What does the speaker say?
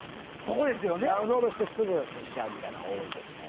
ダウンロードしてすぐ消しちゃうのが多いけどね。